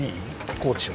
こうでしょ。